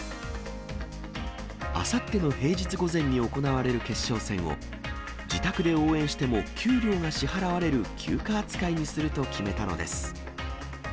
あさっての平日午前に行われる決勝戦を自宅で応援しても給料が支払われる休暇扱いにすると決めたのです。